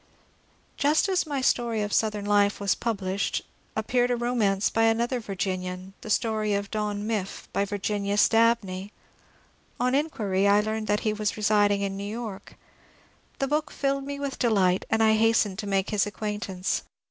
Just as my story of Southern life was published, appeared a romance by another Virginian, The Story of Don Miff," by Virginius Dabney. On inquiry I learned that he was re siding in New York. The book filled me with delight, and I hastened to make his acquaintance.